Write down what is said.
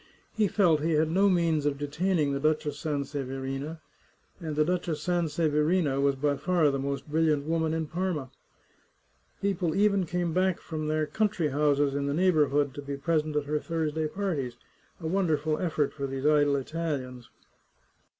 He felt he had no means of detaining the Duchess Sanseverina, and the The Chartreuse of Parma Duchess Sanseverina was by far the most briUiant woman at Parma. People even came back from their country houses in the neighbourhood to be present at her Thursday parties, a wonderful effort for these idle Italians.